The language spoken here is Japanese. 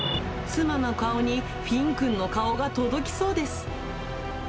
妻の顔にフィンくんの顔が届きそうです。